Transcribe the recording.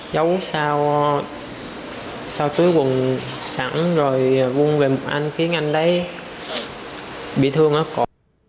giấu sau túi quần sẵn rồi vuông về một anh khiến anh đấy bị thương ở cổ